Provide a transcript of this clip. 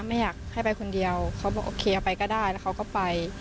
ไม่อยากให้ไปคนเดียวเขาบอกโอเคไปก็ได้แล้วเขาก็ไป